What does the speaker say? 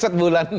hahaha set bulan